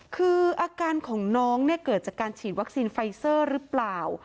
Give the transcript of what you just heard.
คืออาการของน้องเนี่ยเกิดจากการฉีดวัคซีนไฟเซอร์หรือเปล่า